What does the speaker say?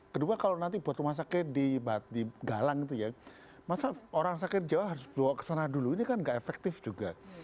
kedua kalau nanti buat rumah sakit di galang itu ya masa orang sakit jawa harus bawa ke sana dulu ini kan gak efektif juga